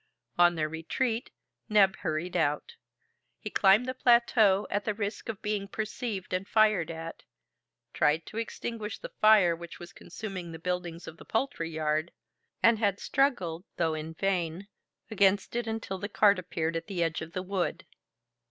On their retreat, Neb hurried out. He climbed the plateau at the risk of being perceived and fired at, tried to extinguish the fire which was consuming the buildings of the poultry yard, and had struggled, though in vain, against it until the cart appeared at the edge of the wood.